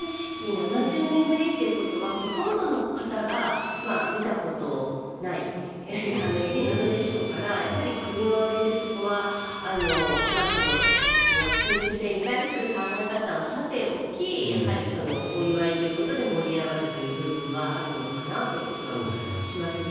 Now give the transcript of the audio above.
７０年ぶりということはほとんどの方が見たことないイベントでしょうから国を挙げて、そこは君主制に対する考え方はさておきやはりお祝いということで盛り上がるという部分はあるのかなという気はしますし。